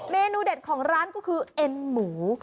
เมนูเด็ดของร้านก็คือเอ็นหมู